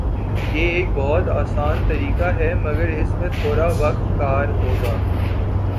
یہ ایک بہت آسان طریقہ ہے مگر اس میں تھوڑا وقت کار ہوگا